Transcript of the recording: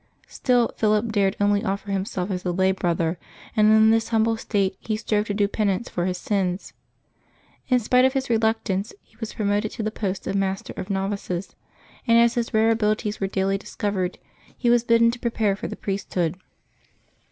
Still Philip dared only offer himself as a lay brother, and in this humble state he strove^ to do penance for his sins. In spite of his reluctance, he was promoted to the post of master of novices; and as his rare abilities were daily discovered, he was bidden to prepare for the priesthood.